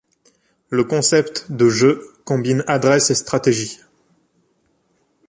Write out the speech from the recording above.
Le concept de jeu combine adresse et stratégie.